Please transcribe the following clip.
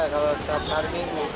kalau setiap hari minggu